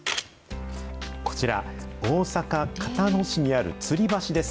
こちら、大阪・交野市にあるつり橋です。